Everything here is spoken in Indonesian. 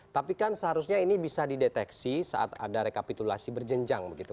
tapi kan seharusnya ini bisa dideteksi saat ada rekapitulasi berjenjang begitu